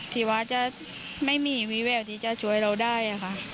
ที่ว่าจะไม่มีวิแววที่จะช่วยเราได้ค่ะ